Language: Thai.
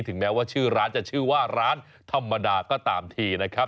แม้ว่าชื่อร้านจะชื่อว่าร้านธรรมดาก็ตามทีนะครับ